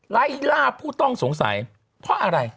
ไล่ล่าผู้ต้องสงสัยเพราะอะไร